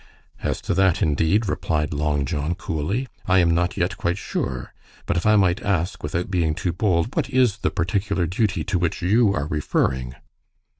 "As to that, indeed," replied Long John, coolly, "I am not yet quite sure. But if I might ask without being too bold, what is the particular duty to which you are referring?"